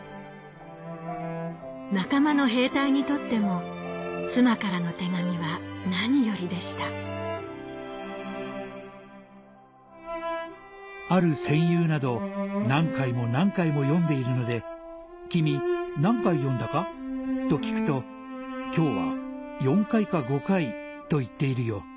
仲間の兵隊にとっても妻からの手紙は何よりでした「ある戦友など何回も何回も読んでいるので君何回読んだか？と聞くと今日は４回か５回と言っているよ」